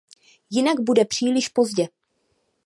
Jinak bude příliš pozdě.